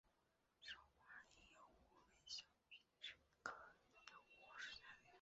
少花淫羊藿为小檗科淫羊藿属下的一个种。